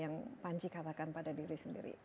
yang panji katakan pada diri sendiri